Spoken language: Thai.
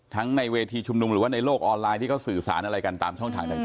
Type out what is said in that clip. ในเวทีชุมนุมหรือว่าในโลกออนไลน์ที่เขาสื่อสารอะไรกันตามช่องทางต่าง